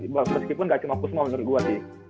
bahwa meskipun ga cuma kusma menurut gua sih